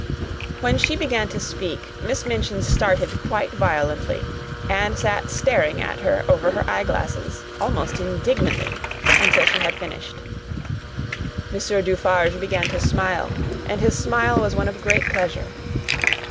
When she began to speak Miss Minchin started quite violently and sat staring at her over her eyeglasses, almost indignantly, until she had finished. Monsieur Dufarge began to smile, and his smile was one of great pleasure.